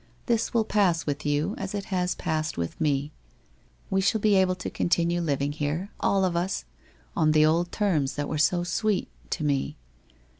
This will pass with you, as it has passed with me. ... Wo shall be able to continue living here, all of us, on the old terms that were so sweet — to me.